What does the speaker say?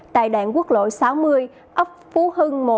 tại đoạn quốc lộ sáu mươi ấp phú hưng một